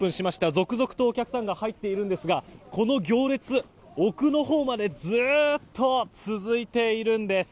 続々とお客さんが入っているんですがこの行列、奥のほうまでずっと続いているんです。